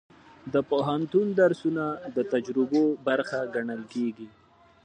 د پوهنتون درسونه د تجربو برخه ګڼل کېږي.